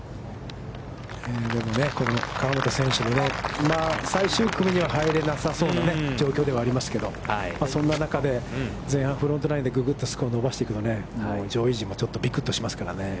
でもね、この河本選手もね、最終組には入れなさそうな状況ではありますけど、そんな中で、前半のフロントナインでスコアを伸ばしていくと上位陣もちょっとびくっとしますからね。